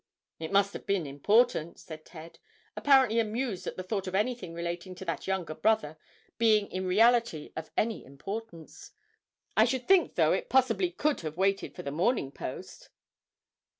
"It must have been important," said Ted, apparently amused at the thought of anything relating to that younger brother being in reality of any importance: "I should think though it possibly could have waited for the morning post."